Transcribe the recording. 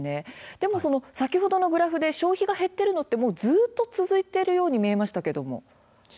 でも先ほどのグラフで消費が減っているのはずっと続いているように見えました。